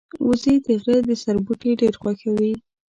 وزې د غره د سر بوټي ډېر خوښوي